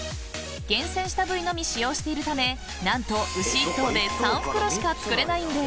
［厳選した部位のみ使用しているため何と牛１頭で３袋しか作れないんです］